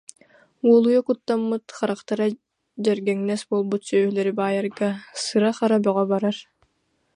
Уолуйа куттаммыт, харахтара дьэргэҥнэс буолбут сүөһүлэри баайарга сыра-хара бөҕө барар